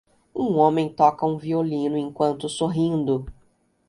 Um homem toca um violino enquanto sorrindo.